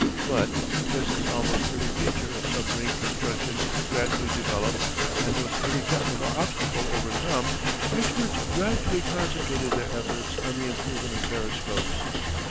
But, just as almost every feature of submarine construction was gradually developed and most every technical obstacle overcome, experts gradually concentrated their efforts on the improvement of periscopes.